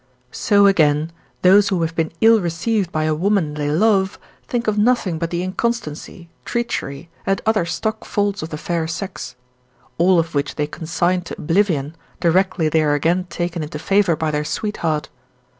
So, again, those who have been ill received by a woman they love think of nothing but the inconstancy, treachery, and other stock faults of the fair sex; all of which they consign to oblivion, directly they are again taken into favour by their sweetheart.